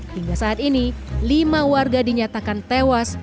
hingga saat ini lima warga dinyatakan tewas